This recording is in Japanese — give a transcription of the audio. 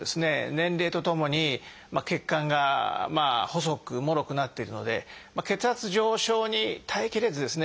年齢とともに血管が細くもろくなっているので血圧上昇に耐えきれずですね